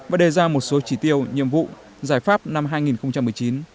và đề ra một số chỉ tiêu nhiệm vụ giải pháp năm hai nghìn một mươi chín